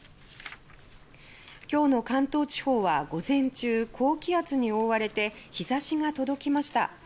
今日の関東地方は午前中高気圧に覆われて日差しが届きました。